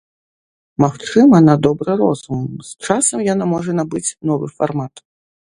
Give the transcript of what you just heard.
Магчыма, на добры розум, з часам яна можа набыць новы фармат.